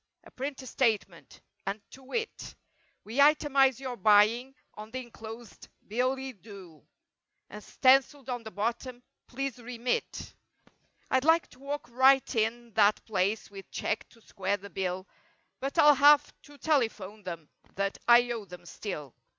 A printed statement. And "To wit"— "We itimize your buying on the inclosed 'Billy do' And stenciled on the bottom—'Please remit!' " I'd like to walk right in that place with check to square the bill— But I'll have to telephone them that "I owe them—still."